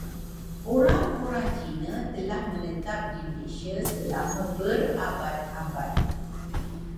Orang-orang Cina telah menetap di Malaysia selama berabad-abad.